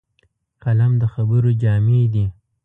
قلم د خبرو جامې دي